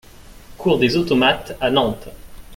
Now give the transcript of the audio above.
Cour des Automates à Nantes